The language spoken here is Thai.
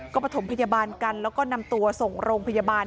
ก็ประถมพยาบาลกันแล้วก็นำตัวส่งโรงพยาบาล